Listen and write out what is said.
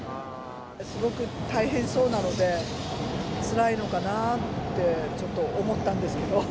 すごく大変そうなので、つらいのかなってちょっと思ったんですけど。